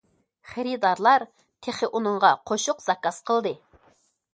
خېرىدارلار تېخى ئۇنىڭغا قوشۇق زاكاز قىلدى.